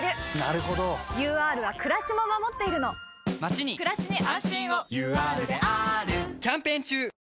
ＵＲはくらしも守っているのまちにくらしに安心をＵＲであーるキャンペーン中！